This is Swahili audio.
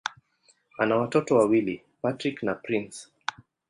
Ana watoto wawili: Patrick na Prince.